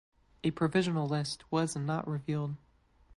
A provisional list was not revealed.